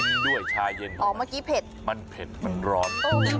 กินด้วยชาเย็นเดี๋ยวเผ็ดมันเผ็ดมันร้อน